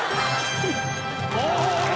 お！